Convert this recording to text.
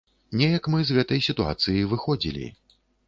Неяк мы з гэтай сітуацыі выходзілі.